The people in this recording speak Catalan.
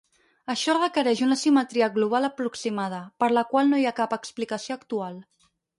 Això requereix una simetria global aproximada, per la qual no hi ha cap explicació actual.